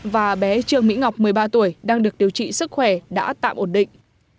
và bé trương mỹ ngọc một mươi ba tuổi đang được điều trị sức khỏe đã tạm ổn định